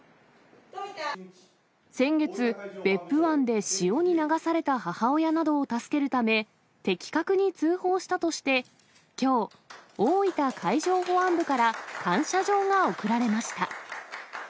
先月、別府湾で、潮に流された母親などを助けるため、的確に通報したとして、きょう、大分海上保安部から感謝状が贈られました。